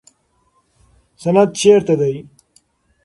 سند چیرته دی؟